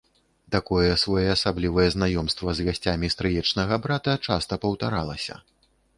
Такое своеасаблівае знаёмства з гасцямі стрыечнага брата часта паўтаралася.